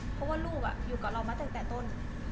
เพราะว่าลูกอยู่กับเรามาตั้งแต่ต้น